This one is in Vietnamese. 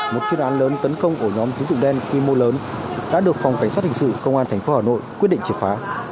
một chuyên án lớn tấn công của nhóm tín dụng đen quy mô lớn đã được phòng cảnh sát hình sự công an tp hà nội quyết định triệt phá